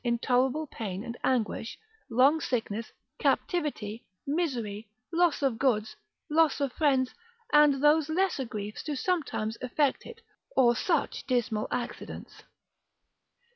Intolerable pain and anguish, long sickness, captivity, misery, loss of goods, loss of friends, and those lesser griefs, do sometimes effect it, or such dismal accidents.